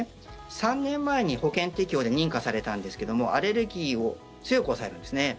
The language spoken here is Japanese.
３年前に保険適用で認可されたんですけどアレルギーを強く抑えるんですね。